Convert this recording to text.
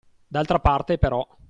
D'altra parte, però